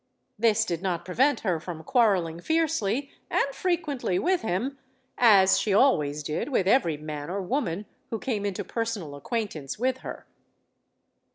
This did not prevent her from quarreling fiercely and frequently with him as she always did with every man or woman who came into personal acquaintance with her.